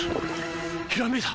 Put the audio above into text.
ひらめいた！